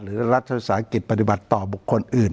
หรือรัฐภิษฐศาสตร์อังกฤษปฏิบัติต่อบุคคลอื่น